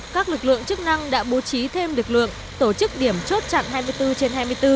các lực lượng chức năng đã bố trí thêm lực lượng tổ chức điểm chốt chặn hai mươi bốn trên hai mươi bốn